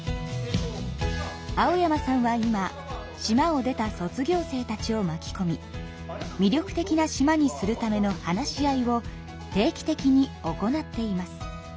青山さんは今島を出た卒業生たちをまきこみ魅力的な島にするための話し合いを定期的に行っています。